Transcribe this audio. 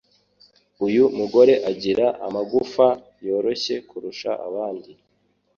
Uyu mugore agira amagufwa yoroshye kurusha abandi